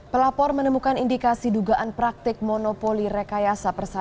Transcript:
pelapor menemukan indikasi dugaan praktik monopoli rekayasa persatuan